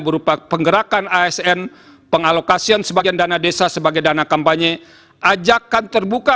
berupa penggerakan asn pengalokasian sebagian dana desa sebagai dana kampanye ajakan terbuka